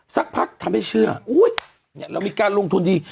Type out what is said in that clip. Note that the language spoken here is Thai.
สักพักทำให้เชื่ออุ๊ยเนี้ยเรามีการลงทุนดี